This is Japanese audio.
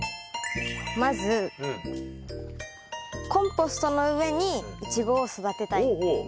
まずコンポストの上にイチゴを育てたいっていう。